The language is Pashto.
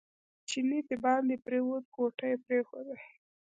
چینی دباندې پرېوت کوټه یې پرېښوده.